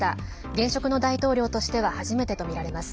現職の大統領としては初めてとみられます。